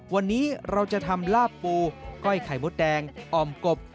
วันนี้เราจะทำลาบปูก้อยไข่มดแดงอ่อมกบ